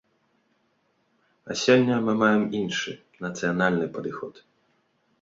А сёння мы маем іншы, нацыянальны падыход.